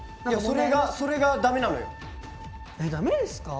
いやそれがそれが駄目なのよ。